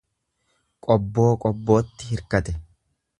Qobboo qobbootti hirkate.